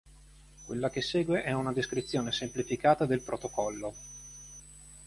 Quella che segue è una descrizione semplificata del protocollo.